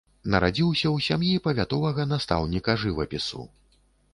Нарадзіўся ў сям'і павятовага настаўніка жывапісу.